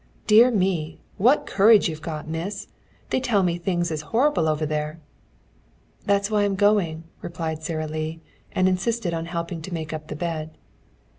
"Dear me, what courage you've got, miss! They tell me things is horrible over there." "That's why I'm going," replied Sara Lee, and insisted on helping to make up the bed.